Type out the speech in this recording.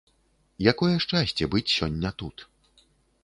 Якое шчасце быць сёння тут.